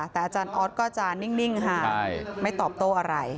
แต่อาจารย์ออสก็จะนิ่งค่ะไม่ตอบโต้อะไร